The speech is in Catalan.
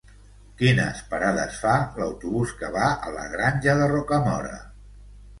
Quines parades fa l'autobús que va a la Granja de Rocamora?